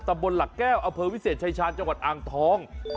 บนหลักแก้วอำเภอวิเศษชายชาญจังหวัดอ่างทอง